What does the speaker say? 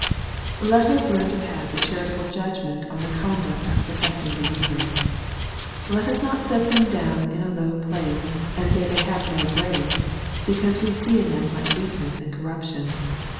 Let us learn to pass a charitable judgment on the conduct of professing believers. Let us not set them down in a low place, and say they have no grace, be cause we see in them much weakness and corruption.